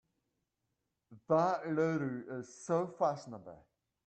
That lady is so fashionable!